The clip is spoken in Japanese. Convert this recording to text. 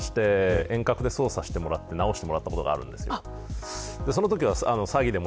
僕もサポートセンターに電話して遠隔で操作してもらって直してもらったことがあるんです。